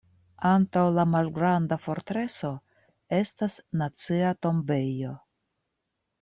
Antaŭ La malgranda fortreso estas Nacia tombejo.